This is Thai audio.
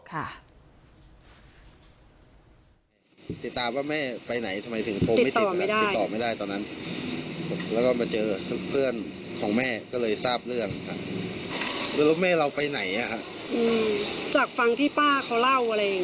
ติดตามว่าแม่ไปไหนทำไมถึงโทรไม่ติดแล้วติดต่อไม่ได้ตอนนั้นแล้วก็มาเจอเพื่อนของแม่ก็เลยทราบเรื่องครับแล้วแม่เราไปไหนจากฟังที่ป้าเขาเล่าอะไรอย่างนี้